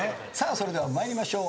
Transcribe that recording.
それでは参りましょう。